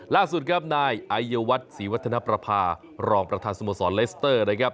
ล่าสุดครับนายไอยวัฒน์ศรีวัฒนประภารองประธานสโมสรเลสเตอร์นะครับ